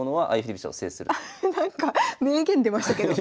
なんか名言出ましたけど。